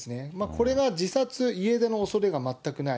これが自殺、家出のおそれが全くない。